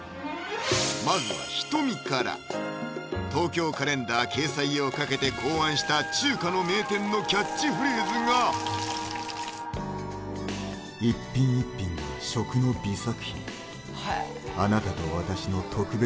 まずはｈｉｔｏｍｉから「東京カレンダー」掲載を懸けて考案した中華の名店のキャッチフレーズがいいですねぇ！